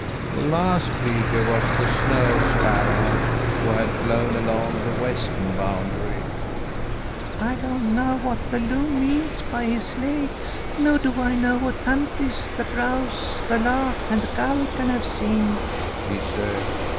"The last speaker was the snow sparrow, who had flown along the western boundary. "'I don't know what the loon means by his lakes, nor do I know what countries the grouse, the lark, and the gull can have seen,' he said.